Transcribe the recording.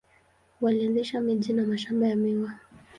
Walianzisha miji na mashamba ya miwa.